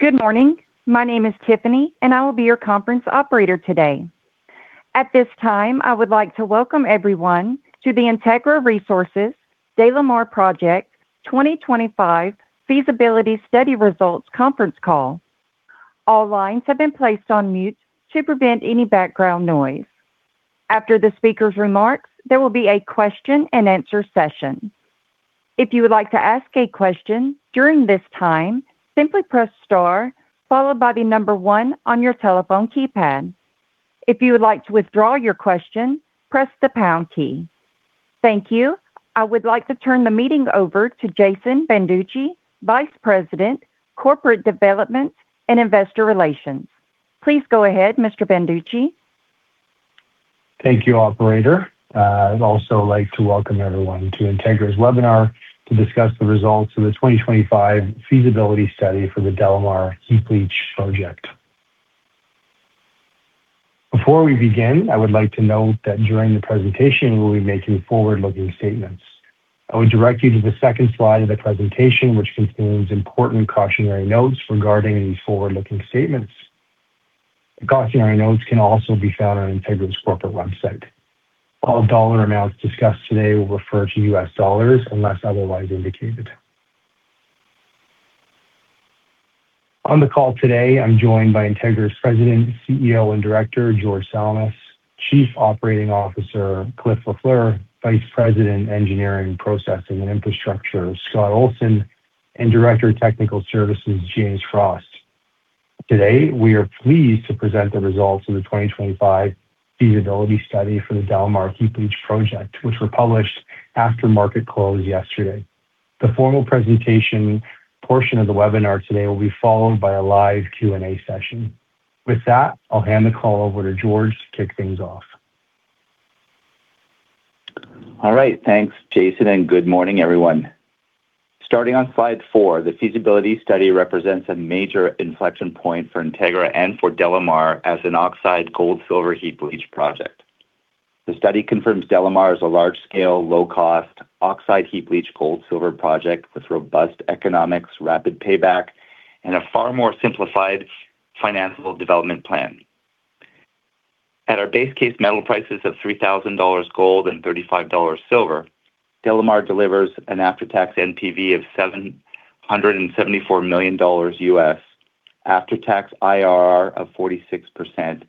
Good morning. My name is Tiffany, and I will be your conference operator today. At this time, I would like to welcome everyone to the Integra Resources DeLamar Project 2025 Feasibility Study Results Conference Call. All lines have been placed on mute to prevent any background noise. After the speaker's remarks, there will be a question-and-answer session. If you would like to ask a question during this time, simply press star followed by the number one on your telephone keypad. If you would like to withdraw your question, press the pound key. Thank you. I would like to turn the meeting over to Jason Banducci, Vice President, Corporate Development and Investor Relations. Please go ahead, Mr. Banducci. Thank you, Operator. I'd also like to welcome everyone to Integra's webinar to discuss the results of the 2025 Feasibility Study for the DeLamar Heap Leach Project. Before we begin, I would like to note that during the presentation, we will be making forward-looking statements. I would direct you to the second slide of the presentation, which contains important cautionary notes regarding these forward-looking statements. The cautionary notes can also be found on Integra's corporate website. All dollar amounts discussed today will refer to U.S. dollars unless otherwise indicated. On the call today, I'm joined by Integra's President, CEO, and Director, George Salamis, Chief Operating Officer, Clifford Lafleur, Vice President, Engineering, Processing, and Infrastructure, Scott Olson, and Director of Technical Services, James Frost. Today, we are pleased to present the results of the 2025 Feasibility Study for the DeLamar Heap Leach Project, which were published after market close yesterday. The formal presentation portion of the webinar today will be followed by a live Q&A session. With that, I'll hand the call over to George to kick things off. All right. Thanks, Jason, and good morning, everyone. Starting on slide four, the feasibility study represents a major inflection point for Integra and for DeLamar as an oxide gold-silver heap leach project. The study confirms DeLamar is a large-scale, low-cost oxide heap leach gold-silver project with robust economics, rapid payback, and a far more simplified financial development plan. At our base case metal prices of $3,000 gold and $35 silver, DeLamar delivers an after-tax NPV of $774 million, after-tax IRR of 46%,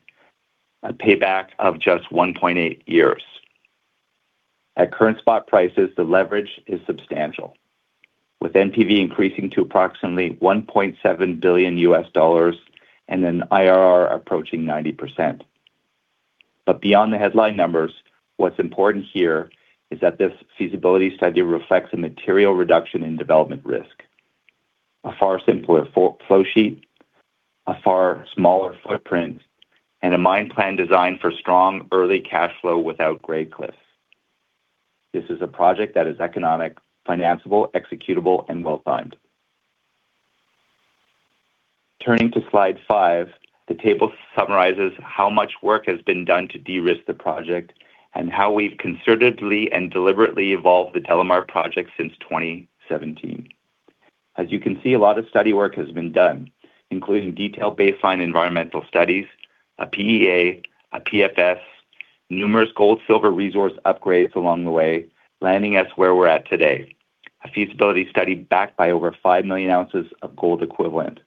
and payback of just 1.8 years. At current spot prices, the leverage is substantial, with NPV increasing to approximately $1.7 billion and an IRR approaching 90%. Beyond the headline numbers, what's important here is that this feasibility study reflects a material reduction in development risk: a far simpler flow sheet, a far smaller footprint, and a mine plan designed for strong early cash flow without gray cliffs. This is a project that is economic, financeable, executable, and well-timed. Turning to slide five, the table summarizes how much work has been done to de-risk the project and how we've concertedly and deliberately evolved the DeLamar project since 2017. As you can see, a lot of study work has been done, including detailed baseline environmental studies, a PEA, a PFS, numerous gold-silver resource upgrades along the way, landing us where we're at today: a feasibility study backed by over five million ounces of gold equivalent,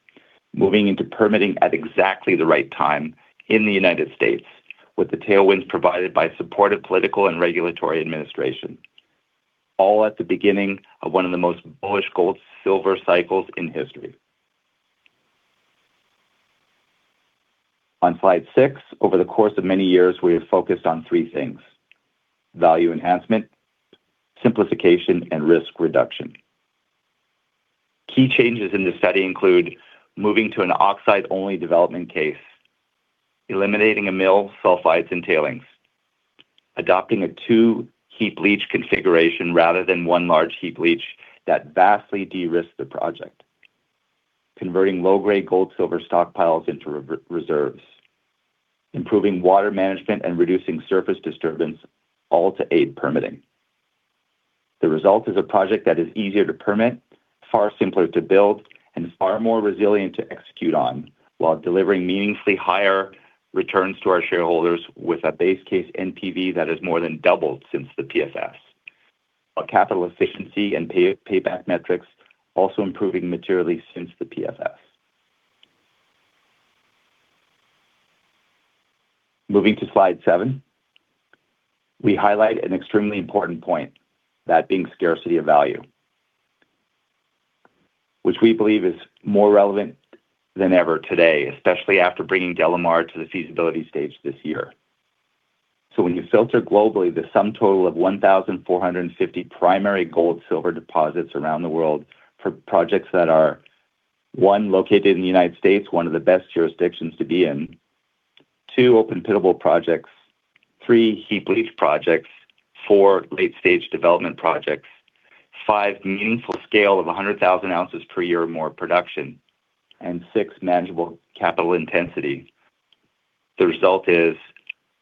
moving into permitting at exactly the right time in the United States, with the tailwinds provided by supportive political and regulatory administration, all at the beginning of one of the most bullish gold-silver cycles in history. On slide six, over the course of many years, we have focused on three things: value enhancement, simplification, and risk reduction. Key changes in the study include moving to an oxide-only development case, eliminating a mill sulfides and tailings, adopting a two-heap leach configuration rather than one large heap leach that vastly de-risked the project, converting low-grade gold-silver stockpiles into reserves, improving water management, and reducing surface disturbance, all to aid permitting. The result is a project that is easier to permit, far simpler to build, and far more resilient to execute on while delivering meaningfully higher returns to our shareholders with a base case NPV that has more than doubled since the PFS, while capital efficiency and payback metrics also improving materially since the PFS. Moving to slide seven, we highlight an extremely important point: that being scarcity of value, which we believe is more relevant than ever today, especially after bringing DeLamar to the feasibility stage this year. When you filter globally, the sum total of 1,450 primary gold-silver deposits around the world for projects that are: one, located in the United States, one of the best jurisdictions to be in, two, open-pittable projects, three, heap leach projects, four, late-stage development projects, five, meaningful scale of 100,000 ounces per year or more production, and six, manageable capital intensity. The result is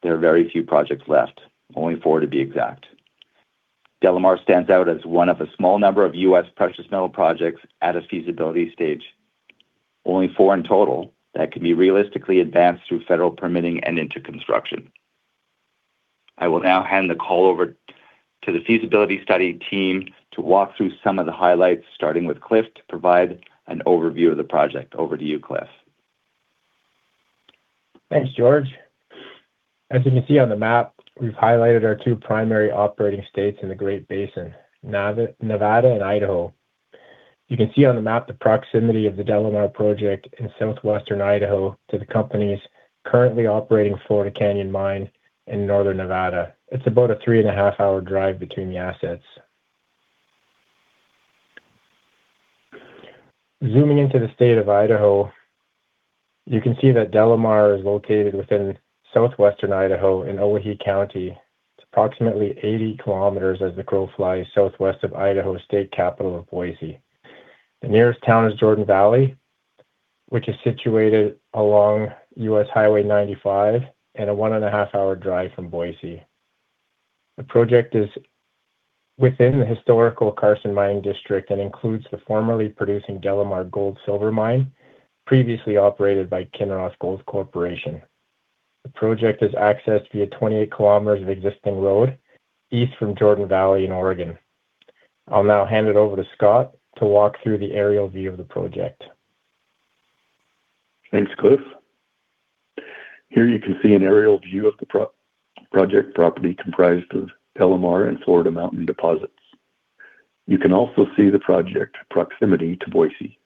there are very few projects left, only four to be exact. DeLamar stands out as one of a small number of U.S. precious metal projects at a feasibility stage, only four in total that can be realistically advanced through federal permitting and into construction. I will now hand the call over to the feasibility study team to walk through some of the highlights, starting with Cliff to provide an overview of the project. Over to you, Cliff. Thanks, George. As you can see on the map, we've highlighted our two primary operating states in the Great Basin, Nevada and Idaho. You can see on the map the proximity of the DeLamar project in southwestern Idaho to the company's currently operating Florida Canyon Mine in northern Nevada. It's about a three-and-a-half-hour drive between the assets. Zooming into the state of Idaho, you can see that DeLamar is located within southwestern Idaho in Owyhee County. It's approximately 80 km as the crow flies southwest of the Idaho state capital of Boise. The nearest town is Jordan Valley, which is situated along U.S. Highway 95 and a one-and-a-half-hour drive from Boise. The project is within the historical Carson Mine District and includes the formerly producing DeLamar gold-silver mine previously operated by Kinross Gold Corporation. The project is accessed via 28 km of existing road east from Jordan Valley in Oregon. I'll now hand it over to Scott to walk through the aerial view of the project. Thanks, Cliff. Here you can see an aerial view of the project property comprised of DeLamar and Florida Mountain deposits. You can also see the project proximity to Boise.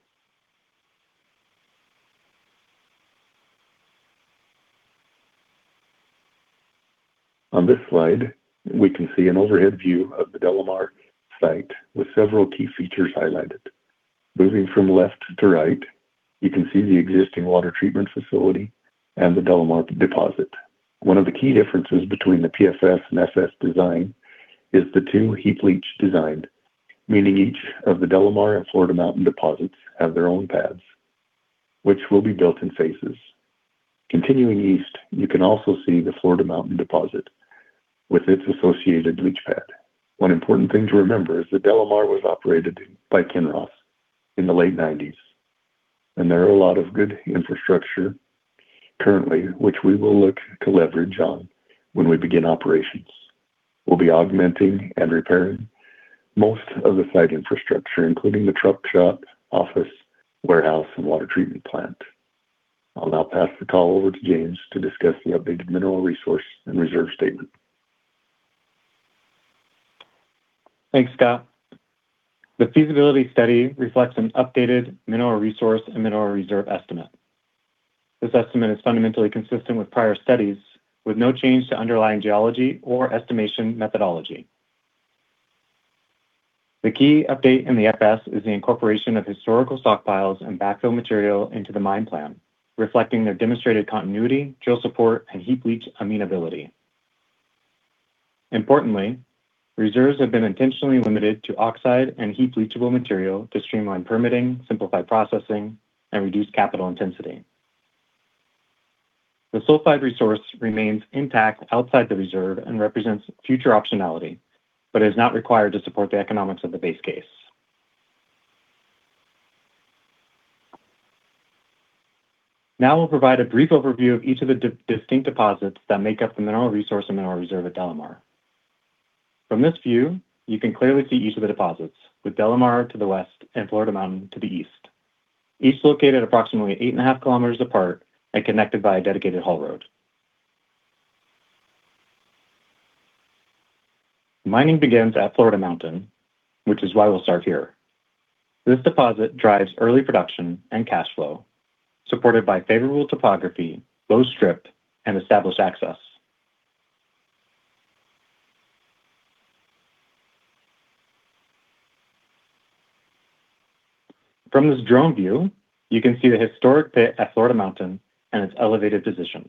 On this slide, we can see an overhead view of the DeLamar site with several key features highlighted. Moving from left to right, you can see the existing water treatment facility and the DeLamar deposit. One of the key differences between the PFS and FS design is the two heap leach designs, meaning each of the DeLamar and Florida Mountain deposits has their own pads, which will be built in phases. Continuing east, you can also see the Florida Mountain deposit with its associated leach pad. One important thing to remember is that DeLamar was operated by Kinross in the late 1990s, and there are a lot of good infrastructure currently, which we will look to leverage on when we begin operations. We'll be augmenting and repairing most of the site infrastructure, including the truck shop, office, warehouse, and water treatment plant. I'll now pass the call over to James to discuss the updated mineral resource and reserve statement. Thanks, Scott. The feasibility study reflects an updated mineral resource and mineral reserve estimate. This estimate is fundamentally consistent with prior studies, with no change to underlying geology or estimation methodology. The key update in the FS is the incorporation of historical stockpiles and backfill material into the mine plan, reflecting their demonstrated continuity, drill support, and heap leach amenability. Importantly, reserves have been intentionally limited to oxide and heap-leachable material to streamline permitting, simplify processing, and reduce capital intensity. The sulfide resource remains intact outside the reserve and represents future optionality, but is not required to support the economics of the base case. Now we'll provide a brief overview of each of the distinct deposits that make up the mineral resource and mineral reserve at DeLamar. From this view, you can clearly see each of the deposits, with DeLamar to the west and Florida Mountain to the east, each located approximately 8.5 kilometers apart and connected by a dedicated haul road. Mining begins at Florida Mountain, which is why we'll start here. This deposit drives early production and cash flow, supported by favorable topography, low strip, and established access. From this drone view, you can see the historic pit at Florida Mountain and its elevated position,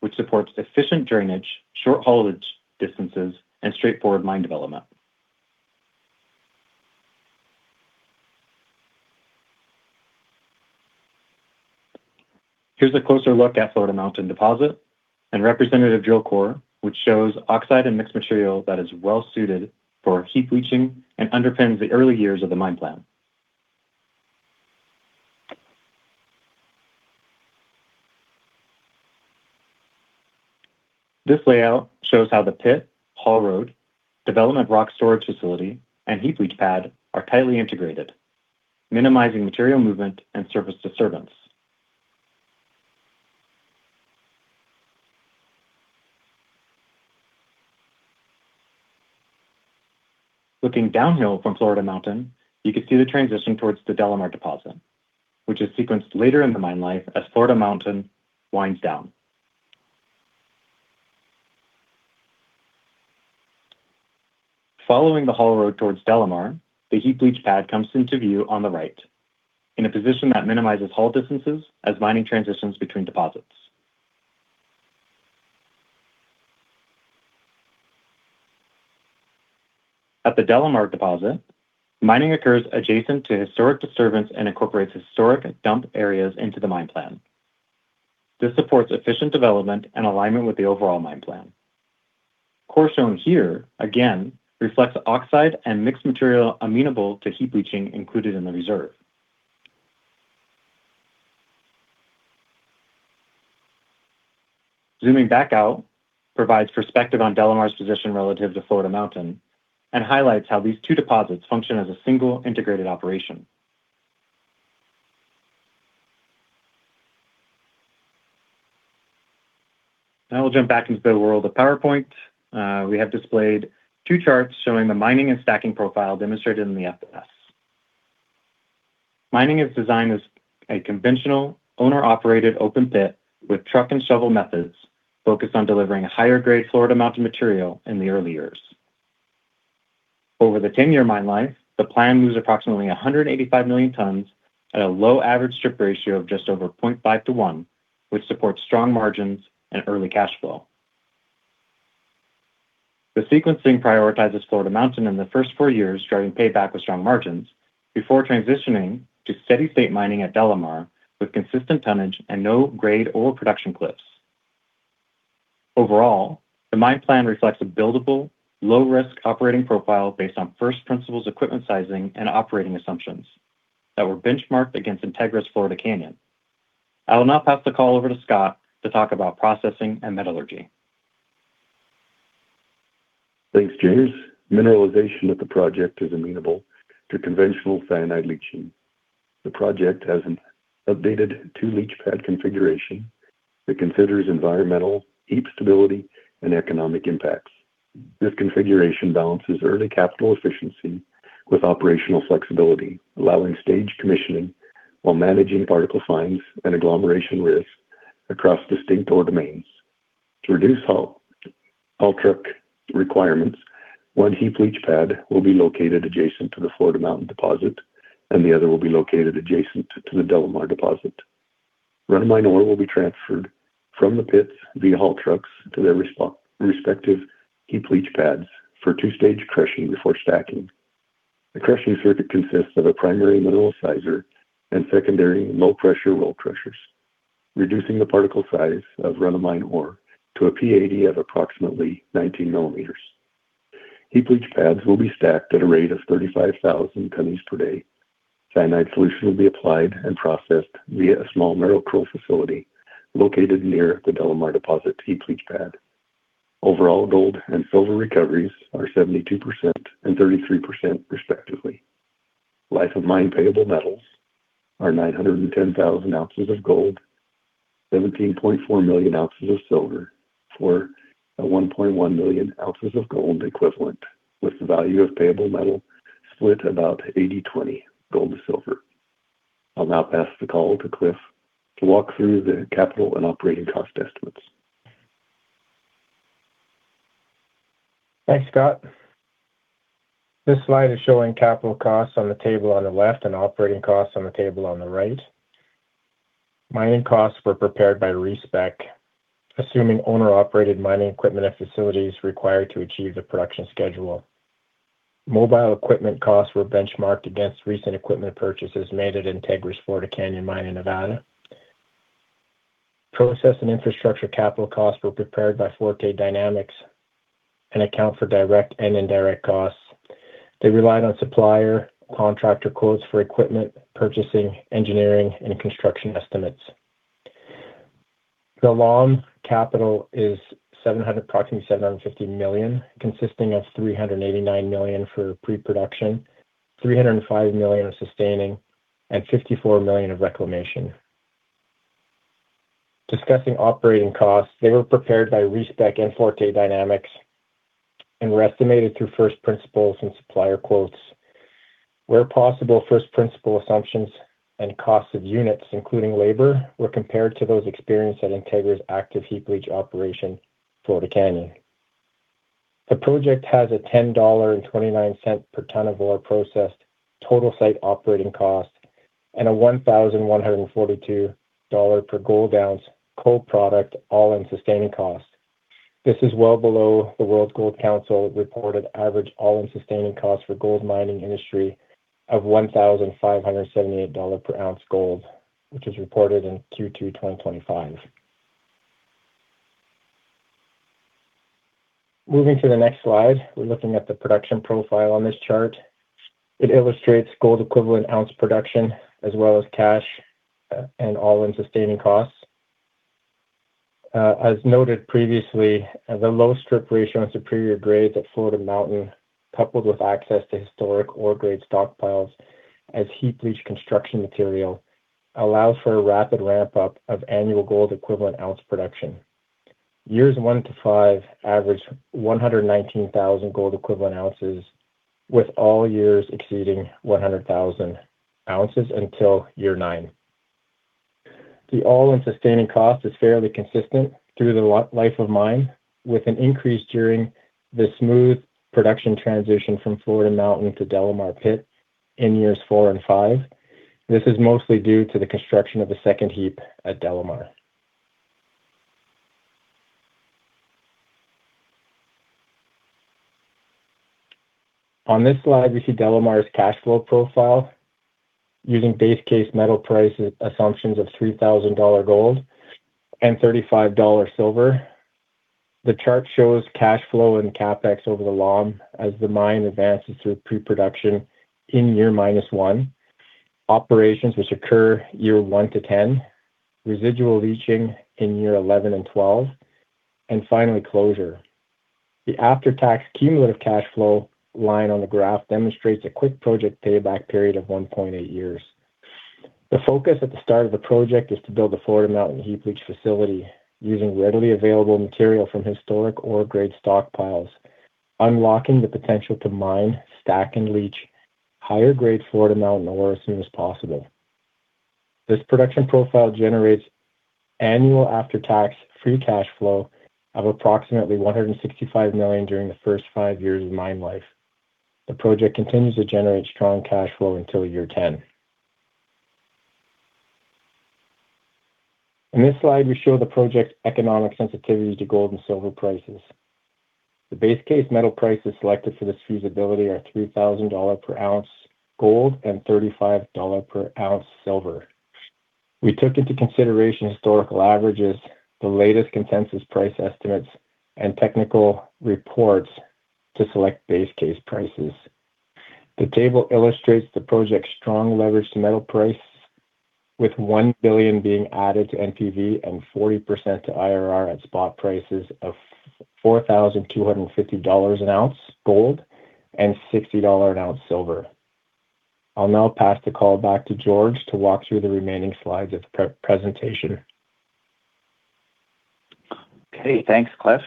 which supports efficient drainage, short haulage distances, and straightforward mine development. Here's a closer look at Florida Mountain deposit and representative drill core, which shows oxide and mixed material that is well-suited for heap leaching and underpins the early years of the mine plan. This layout shows how the pit, haul road, development rock storage facility, and heap leach pad are tightly integrated, minimizing material movement and surface disturbance. Looking downhill from Florida Mountain, you can see the transition towards the DeLamar deposit, which is sequenced later in the mine life as Florida Mountain winds down. Following the haul road towards DeLamar, the heap leach pad comes into view on the right in a position that minimizes haul distances as mining transitions between deposits. At the DeLamar deposit, mining occurs adjacent to historic disturbance and incorporates historic dump areas into the mine plan. This supports efficient development and alignment with the overall mine plan. Ore shown here, again, reflects oxide and mixed material amenable to heap leaching included in the reserve. Zooming back out provides perspective on DeLamar's position relative to Florida Mountain and highlights how these two deposits function as a single integrated operation. Now we'll jump back into the world of PowerPoint. We have displayed two charts showing the mining and stacking profile demonstrated in the FS. Mining is designed as a conventional owner-operated open pit with truck and shovel methods focused on delivering higher-grade Florida Mountain material in the early years. Over the 10-year mine life, the plan moves approximately 185 million tons at a low average strip ratio of just over 0.5-1, which supports strong margins and early cash flow. The sequencing prioritizes Florida Mountain in the first four years, driving payback with strong margins before transitioning to steady-state mining at DeLamar with consistent tonnage and no grade or production cliffs. Overall, the mine plan reflects a buildable, low-risk operating profile based on first principles equipment sizing and operating assumptions that were benchmarked against Integra's Florida Canyon. I will now pass the call over to Scott to talk about processing and metallurgy. Thanks, James. Mineralization of the project is amenable to conventional cyanide leaching. The project has an updated two-leach pad configuration that considers environmental, heap stability, and economic impacts. This configuration balances early capital efficiency with operational flexibility, allowing staged commissioning while managing particle fines and agglomeration risk across distinct ore domains. To reduce haul truck requirements, one heap leach pad will be located adjacent to the Florida Mountain deposit, and the other will be located adjacent to the DeLamar deposit. Run-of-mine will be transferred from the pits via haul trucks to their respective heap leach pads for two-stage crushing before stacking. The crushing circuit consists of a primary mineral sizer and secondary low-pressure roll crushers, reducing the particle size of run-of-mine to a P80 of approximately 19 millimeters. Heap leach pads will be stacked at a rate of 35,000 tonnes per day. Cyanide solution will be applied and processed via a small Merrill-Crowe facility located near the DeLamar deposit heap leach pad. Overall, gold and silver recoveries are 72% and 33% respectively. Life of mine payable metals are 910,000 ounces of gold, 17.4 million ounces of silver, for a 1.1 million ounces of gold equivalent, with the value of payable metal split about 80/20, gold to silver. I'll now pass the call to Cliff to walk through the capital and operating cost estimates. Thanks, Scott. This slide is showing capital costs on the table on the left and operating costs on the table on the right. Mining costs were prepared by Respec, assuming owner-operated mining equipment and facilities required to achieve the production schedule. Mobile equipment costs were benchmarked against recent equipment purchases made at Integra's Florida Canyon Mine in Nevada. Process and infrastructure capital costs were prepared by Forte Dynamics and account for direct and indirect costs. They relied on supplier contractor quotes for equipment purchasing, engineering, and construction estimates. The total capital is approximately $750 million, consisting of $389 million for pre-production, $305 million of sustaining, and $54 million of reclamation. Discussing operating costs, they were prepared by Respec and Forte Dynamics and were estimated through first principles and supplier quotes. Where possible, first principle assumptions and costs of units, including labor, were compared to those experienced at Integra's active heap leach operation, Florida Canyon. The project has a $10.29 per ton of ore processed total site operating cost and a $1,142 per gold ounce sold all-in sustaining cost. This is well below the World Gold Council reported average all-in sustaining cost for gold mining industry of $1,578 per ounce gold, which is reported in Q2 2025. Moving to the next slide, we're looking at the production profile on this chart. It illustrates gold equivalent ounce production as well as cash and all-in sustaining costs. As noted previously, the low strip ratio and superior grades at Florida Mountain, coupled with access to historic ore-grade stockpiles as heap leach construction material, allows for a rapid ramp-up of annual gold equivalent ounce production. Years one to five average 119,000 gold equivalent ounces, with all years exceeding 100,000 ounces until year nine. The all-in sustaining cost is fairly consistent through the life of mine, with an increase during the smooth production transition from Florida Mountain to DeLamar pit in years four and five. This is mostly due to the construction of the second heap at DeLamar. On this slide, we see DeLamar's cash flow profile using base case metal price assumptions of $3,000 gold and $35 silver. The chart shows cash flow and CapEx over the long as the mine advances through pre-production in year -1, operations which occur year one to 10, residual leaching in year 11 and year 12, and finally closure. The after-tax cumulative cash flow line on the graph demonstrates a quick project payback period of 1.8 years. The focus at the start of the project is to build the Florida Mountain heap leach facility using readily available material from historic ore-grade stockpiles, unlocking the potential to mine, stack, and leach higher-grade Florida Mountain ore as soon as possible. This production profile generates annual after-tax free cash flow of approximately $165 million during the first five years of mine life. The project continues to generate strong cash flow until year 10. In this slide, we show the project's economic sensitivity to gold and silver prices. The base case metal prices selected for this feasibility are $3,000 per ounce gold and $35 per ounce silver. We took into consideration historical averages, the latest consensus price estimates, and technical reports to select base case prices. The table illustrates the project's strong leveraged metal price, with $1 billion being added to NPV and 40% to IRR at spot prices of $4,250 an ounce gold and $60 an ounce silver. I'll now pass the call back to George to walk through the remaining slides of the presentation. Okay, thanks, Cliff.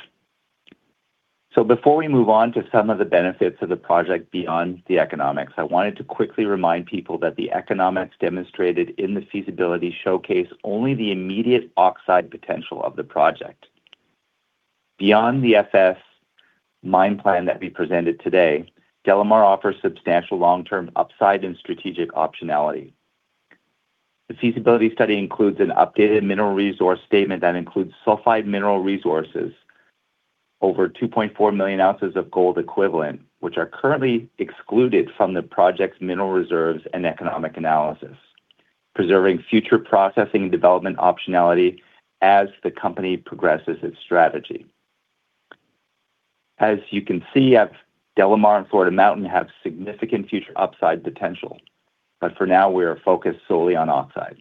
Before we move on to some of the benefits of the project beyond the economics, I wanted to quickly remind people that the economics demonstrated in the feasibility study show only the immediate oxide potential of the project. Beyond the FS mine plan that we presented today, DeLamar offers substantial long-term upside and strategic optionality. The feasibility study includes an updated mineral resource statement that includes sulfide mineral resources, over 2.4 million ounces of gold equivalent, which are currently excluded from the project's mineral reserves and economic analysis, preserving future processing and development optionality as the company progresses its strategy. As you can see, DeLamar and Florida Mountain have significant future upside potential, but for now, we are focused solely on oxide.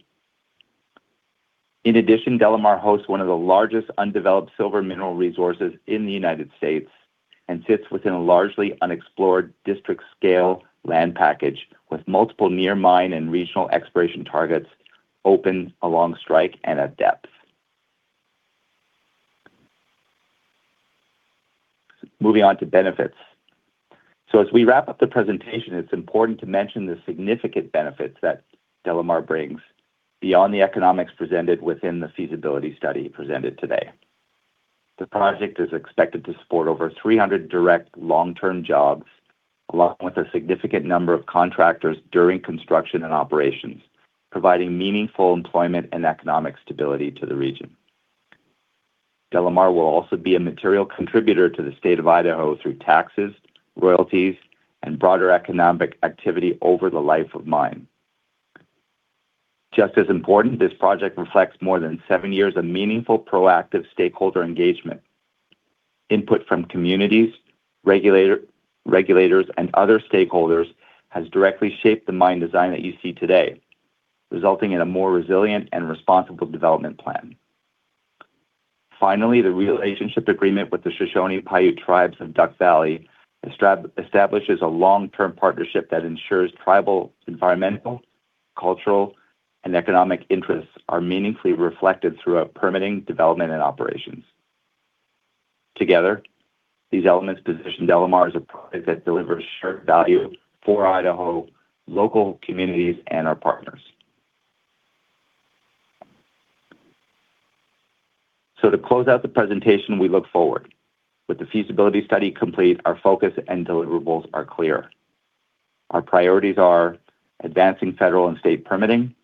In addition, DeLamar hosts one of the largest undeveloped silver mineral resources in the United States and sits within a largely unexplored district-scale land package with multiple near-mine and regional exploration targets open along strike and at depth. Moving on to benefits. So as we wrap up the presentation, it's important to mention the significant benefits that DeLamar brings beyond the economics presented within the feasibility study presented today. The project is expected to support over 300 direct long-term jobs, along with a significant number of contractors during construction and operations, providing meaningful employment and economic stability to the region. DeLamar will also be a material contributor to the state of Idaho through taxes, royalties, and broader economic activity over the life of mine. Just as important, this project reflects more than seven years of meaningful proactive stakeholder engagement. Input from communities, regulators, and other stakeholders has directly shaped the mine design that you see today, resulting in a more resilient and responsible development plan. Finally, the relationship agreement with the Shoshone-Paiute Tribes of Duck Valley establishes a long-term partnership that ensures tribal environmental, cultural, and economic interests are meaningfully reflected throughout permitting, development, and operations. Together, these elements position DeLamar as a project that delivers shared value for Idaho, local communities, and our partners. So to close out the presentation, we look forward. With the feasibility study complete, our focus and deliverables are clear. Our priorities are advancing federal and state permitting,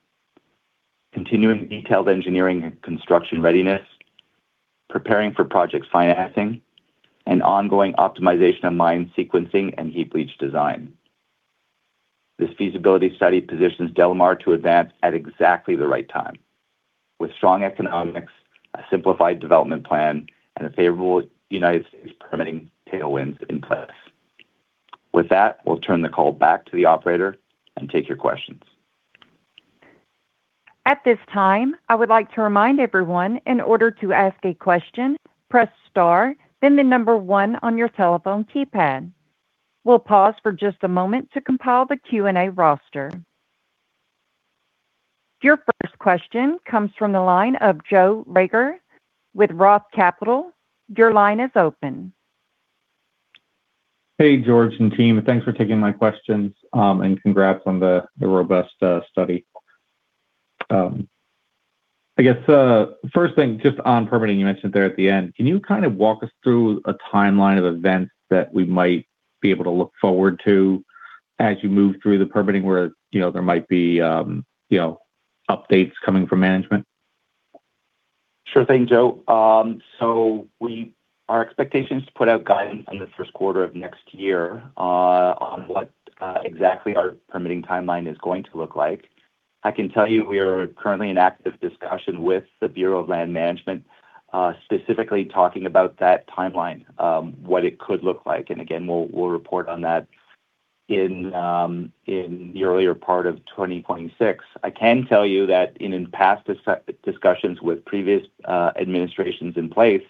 continuing detailed engineering and construction readiness, preparing for project financing, and ongoing optimization of mine sequencing and heap leach design. This feasibility study positions DeLamar to advance at exactly the right time, with strong economics, a simplified development plan, and a favorable United States permitting tailwinds in place. With that, we'll turn the call back to the operator and take your questions. At this time, I would like to remind everyone, in order to ask a question, press star, then the number one on your telephone keypad. We'll pause for just a moment to compile the Q&A roster. Your first question comes from the line of Joe Reagor with Roth Capital. Your line is open. Hey, George and team, thanks for taking my questions and congrats on the robust study. I guess first thing, just on permitting, you mentioned there at the end, can you kind of walk us through a timeline of events that we might be able to look forward to as you move through the permitting where there might be updates coming from management? Sure thing, Joe. So our expectation is to put out guidance in the first quarter of next year on what exactly our permitting timeline is going to look like. I can tell you we are currently in active discussion with the Bureau of Land Management, specifically talking about that timeline, what it could look like. And again, we'll report on that in the earlier part of 2026. I can tell you that in past discussions with previous administrations in place,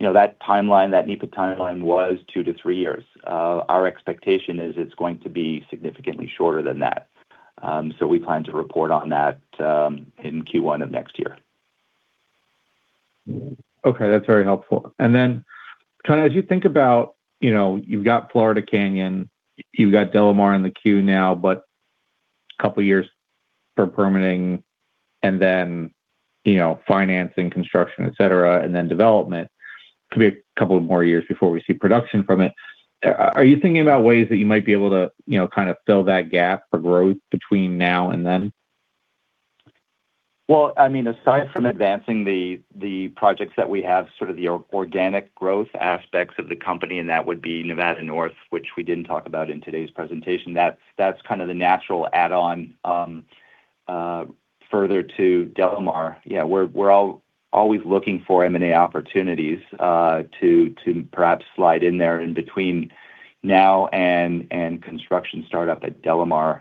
that timeline, that NEPA timeline was two to three years. Our expectation is it's going to be significantly shorter than that. So we plan to report on that in Q1 of next year. Okay, that's very helpful. And then kind of as you think about you've got Florida Canyon, you've got DeLamar in the queue now, but a couple of years for permitting, and then financing, construction, etc., and then development, could be a couple of more years before we see production from it. Are you thinking about ways that you might be able to kind of fill that gap for growth between now and then? Well, I mean, aside from advancing the projects that we have, sort of the organic growth aspects of the company, and that would be Nevada North, which we didn't talk about in today's presentation, that's kind of the natural add-on further to DeLamar. Yeah, we're always looking for M&A opportunities to perhaps slide in there in between now and construction startup at DeLamar.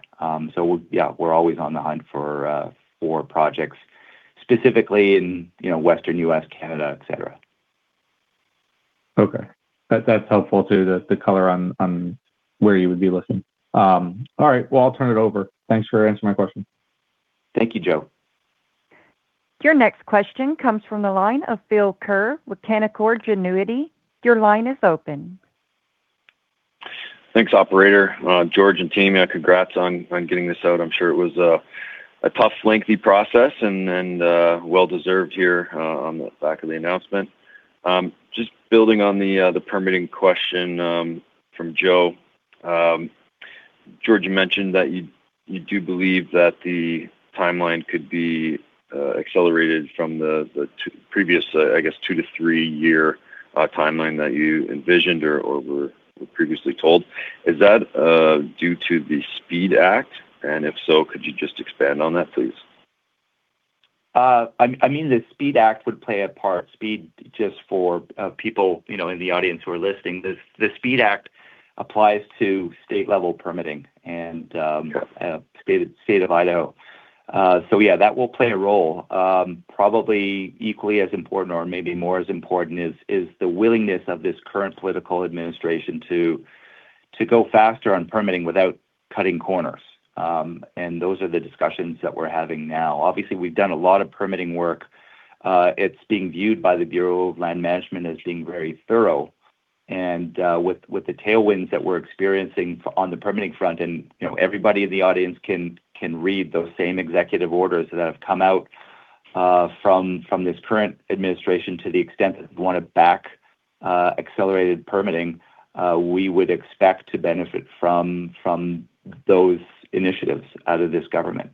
So yeah, we're always on the hunt for projects specifically in Western U.S., Canada, etc. Okay. That's helpful too, the color on where you would be looking. All right, well, I'll turn it over. Thanks for answering my question. Thank you, Joe. Your next question comes from the line of Phil Ker with Canaccord Genuity. Your line is open. Thanks, operator. George and team, congrats on getting this out. I'm sure it was a tough, lengthy process and well-deserved here on the back of the announcement. Just building on the permitting question from Joe, George mentioned that you do believe that the timeline could be accelerated from the previous, I guess, two-to-three-year timeline that you envisioned or were previously told. Is that due to the SPEED Act? And if so, could you just expand on that, please? I mean, the SPEED Act would play a part. SPEED, just for people in the audience who are listening, the SPEED Act applies to state-level permitting and state of Idaho. So yeah, that will play a role. Probably equally as important or maybe more as important is the willingness of this current political administration to go faster on permitting without cutting corners. And those are the discussions that we're having now. Obviously, we've done a lot of permitting work. It's being viewed by the Bureau of Land Management as being very thorough. And with the tailwinds that we're experiencing on the permitting front, and everybody in the audience can read those same executive orders that have come out from this current administration to the extent that we want to back accelerated permitting, we would expect to benefit from those initiatives out of this government.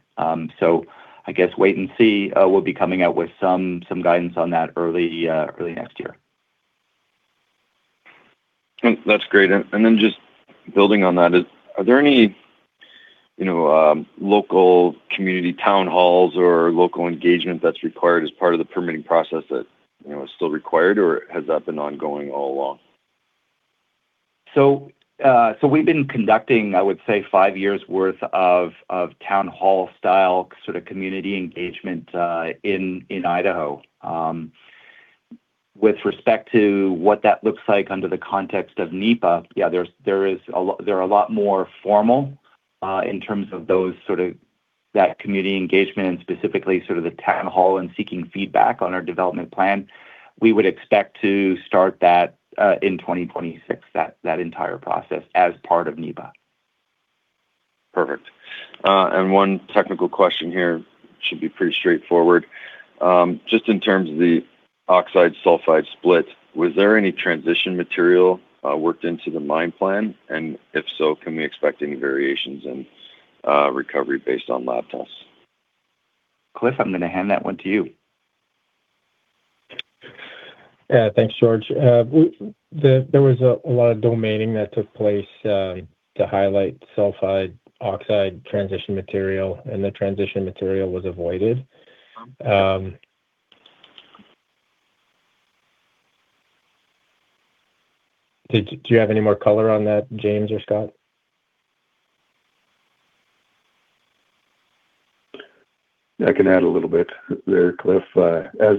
So I guess wait and see. We'll be coming out with some guidance on that early next year. That's great and then just building on that, are there any local community town halls or local engagement that's required as part of the permitting process that is still required, or has that been ongoing all along? So we've been conducting, I would say, five years' worth of town hall-style sort of community engagement in Idaho. With respect to what that looks like under the context of NEPA, yeah, there are a lot more formal in terms of that community engagement and specifically sort of the town hall and seeking feedback on our development plan. We would expect to start that in 2026, that entire process as part of NEPA. Perfect. And one technical question here should be pretty straightforward. Just in terms of the oxide sulfide split, was there any transition material worked into the mine plan? And if so, can we expect any variations in recovery based on lab tests? Cliff, I'm going to hand that one to you. Yeah, thanks, George. There was a lot of domaining that took place to highlight sulfide oxide transition material, and the transition material was avoided. Do you have any more color on that, James or Scott? I can add a little bit there, Cliff. As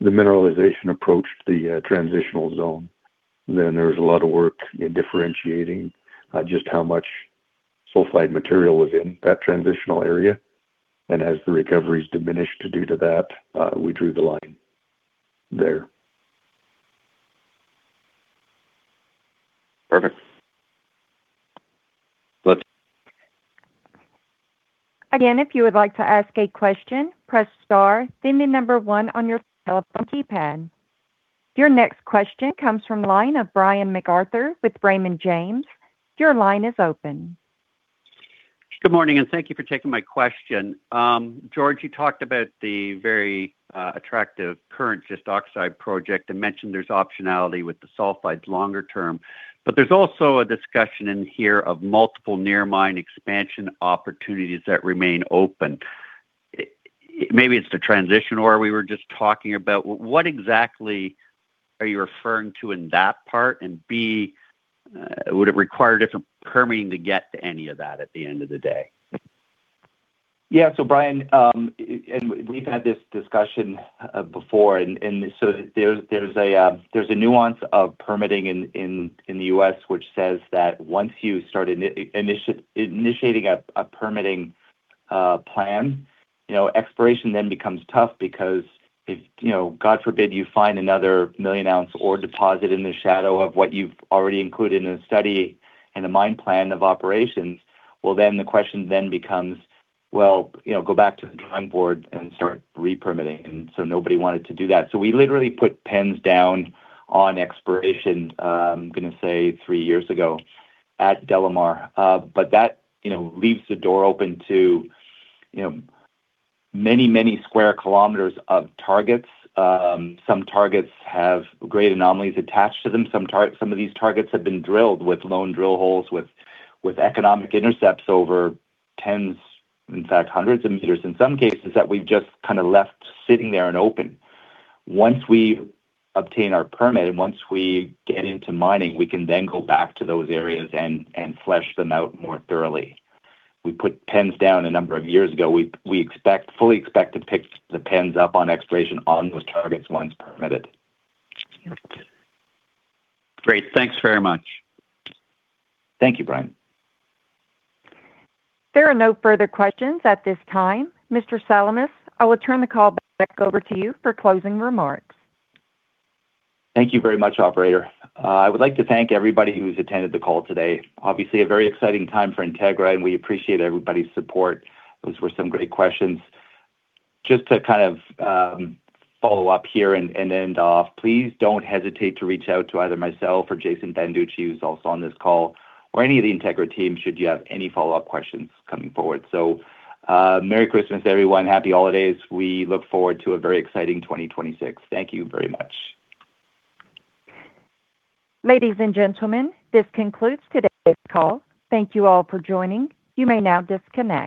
the mineralization approached the transitional zone, then there was a lot of work differentiating just how much sulfide material was in that transitional area, and as the recoveries diminished due to that, we drew the line there. Perfect. Again, if you would like to ask a question, press star, then the number one on your telephone keypad. Your next question comes from line of Brian MacArthur with Raymond James. Your line is open. Good morning, and thank you for taking my question. George, you talked about the very attractive current just oxide project and mentioned there's optionality with the sulfides longer term. But there's also a discussion in here of multiple near-mine expansion opportunities that remain open. Maybe it's the transition ore we were just talking about. What exactly are you referring to in that part? And B, would it require different permitting to get to any of that at the end of the day? Yeah, so Brian, and we've had this discussion before. And so there's a nuance of permitting in the U.S., which says that once you start initiating a permitting plan, exploration then becomes tough because if, God forbid, you find another million-ounce ore deposit in the shadow of what you've already included in a study and a mine plan of operations, well, then the question then becomes, well, go back to the drawing board and start re-permitting. And so nobody wanted to do that. So we literally put pens down on exploration, I'm going to say, three years ago at DeLamar. But that leaves the door open to many, many square kilometers of targets. Some targets have great anomalies attached to them. Some of these targets have been drilled with lone drill holes with economic intercepts over tens, in fact, hundreds of meters in some cases that we've just kind of left sitting there and open. Once we obtain our permit and once we get into mining, we can then go back to those areas and flesh them out more thoroughly. We put pens down a number of years ago. We fully expect to pick the pens up on exploration on those targets once permitted. Great. Thanks very much. Thank you, Brian. There are no further questions at this time. Mr. Salamis, I will turn the call back over to you for closing remarks. Thank you very much, operator. I would like to thank everybody who's attended the call today. Obviously, a very exciting time for Integra, and we appreciate everybody's support. Those were some great questions. Just to kind of follow up here and end off, please don't hesitate to reach out to either myself or Jason Banducci, who's also on this call, or any of the Integra team should you have any follow-up questions coming forward. So Merry Christmas, everyone. Happy holidays. We look forward to a very exciting 2026. Thank you very much. Ladies and gentlemen, this concludes today's call. Thank you all for joining. You may now disconnect.